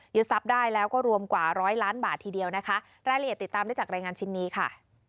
ทรัพย์ได้แล้วก็รวมกว่าร้อยล้านบาททีเดียวนะคะรายละเอียดติดตามได้จากรายงานชิ้นนี้ค่ะ